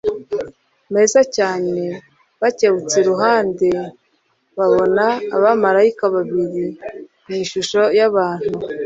meza cyane. Bakebutse iruhaude rtvabo babona abamaraika babiri mu ishusho y'abantu